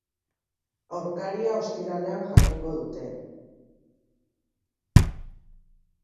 Aurkaria ostiralean jakingo dute.